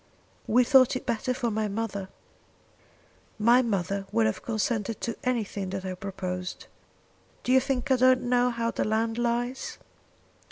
"We thought it better for my mother." "My mother would have consented to anything that I proposed. Do you think I don't know how the land lies?